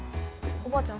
おばあちゃん